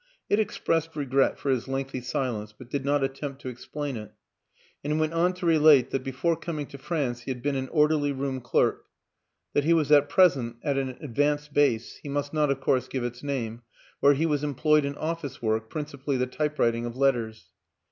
It expressed regret for his lengthy silence, but did not attempt to ex plain it; and went on to relate that before coming to France he had been an orderly room clerk, that he was at present at an advanced base he must not of course give its name where he was em ployed in office work, principally the typewriting of letters.